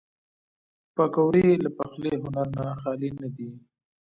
پکورې له پخلي هنر نه خالي نه دي